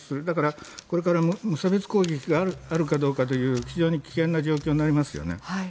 だからこれから無差別攻撃があるかどうかという非常に危険な状況になりますね。